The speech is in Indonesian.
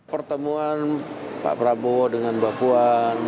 pertemuan pak prabowo dengan bapuan